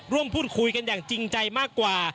ร่วมพูดคุยกันอย่างจริงใจมากกว่า